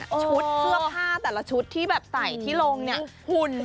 ชุดเสื้อผ้าแต่ละชุดที่แบบใส่ที่ลงเนี่ยหุ่น